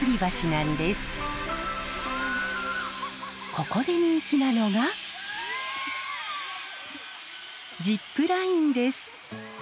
ここで人気なのがジップラインです。